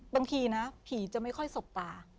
บางทีนะผีจะไม่ค่อยสบตา